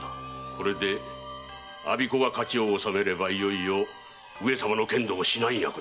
これで我孫子が勝ちをおさめればいよいよ上様の剣道指南役に。